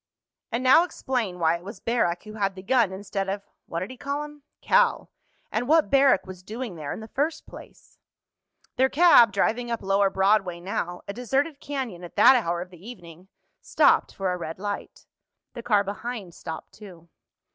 And now explain why it was Barrack who had the gun, instead of—what did he call him?—Cal. And what Barrack was doing there in the first place." Their cab, driving up lower Broadway now—a deserted canyon at that hour of the evening—stopped for a red light. The car behind stopped too.